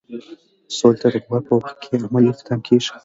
سولې ته د ګواښ په وخت کې عملي اقدام کیږي.